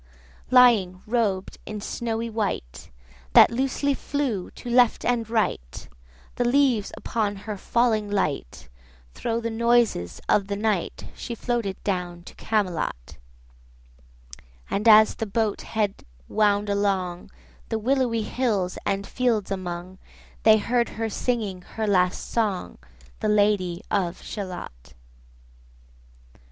135 Lying, robed in snowy white That loosely flew to left and right— The leaves upon her falling light— Thro' the noises of the night She floated down to Camelot: 140 And as the boat head wound along The willowy hills and fields among, They heard her singing her last song, The Lady of Shalott.